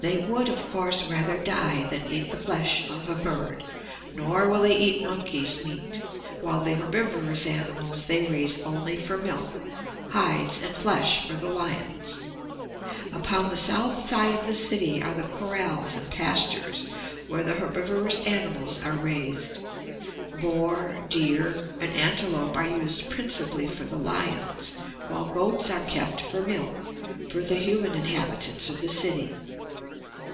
They would, of course, rather die than eat the flesh of a bird, nor will they eat monkey's meat, while the herbivorous animals they raise only for milk, hides, and flesh for the lions. Upon the south side of the city are the corrals and pastures where the herbivorous animals are raised. Boar, deer, and antelope are used principally for the lions, while goats are kept for milk for the human inhabitants of the city."